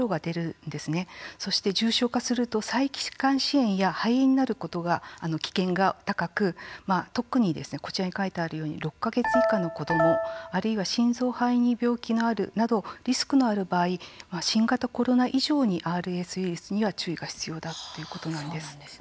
そして重症化すると細気管支炎や肺炎になる危険が高く特にこちらに書いてあるように６か月以下の子どもあるいは心臓、肺に病気のあるなどリスクのある場合新型コロナ以上にＲＳウイルスには注意が必要だということなんです。